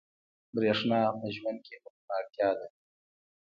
برېښنا په ژوند کې مهمه اړتیا ده.